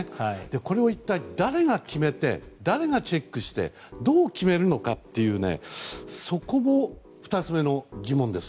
これを一体誰が決めて誰がチェックしてどう決めるのかというそこも２つ目の疑問です。